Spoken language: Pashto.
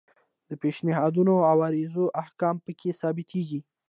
د پیشنهادونو او عرایضو احکام پکې ثبتیږي.